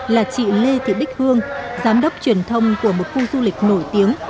là chị lê thị đích hương giám đốc truyền thông của một khu du lịch nổi tiếng